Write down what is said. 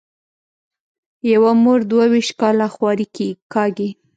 یوه مور دوه وېشت کاله خواري کاږي.